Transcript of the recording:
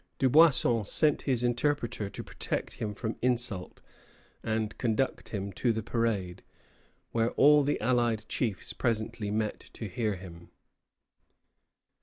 Dubuisson sent his interpreter to protect him from insult and conduct him to the parade, where all the allied chiefs presently met to hear him.